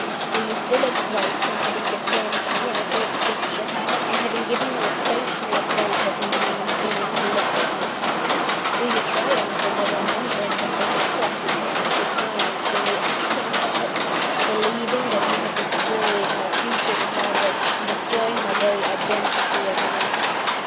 _ "Do you still exult in having deformed me in every feature, in having given me a face to revolt every human being who looks at me? Do you triumph in the remembrance of this atrocity, as you triumphed in the acting of it believing that you had destroyed my future with Margaret, in destroying my very identity as a man?